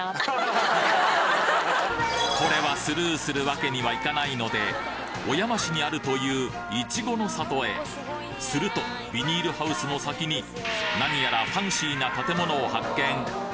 これはスルーするわけにはいかないので小山市にあるといういちごの里へするとビニールハウスの先になにやらファンシーな建物を発見！